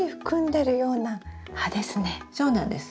そうなんです。